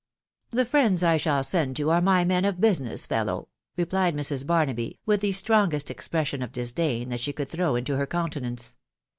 " The friends I shall send to are my men of business, fellow !" replied Mis. Barnaby, with the strongest expression of disdain that she could throw into her countenance.